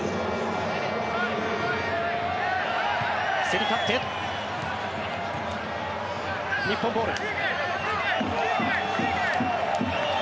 競り勝って日本ボール。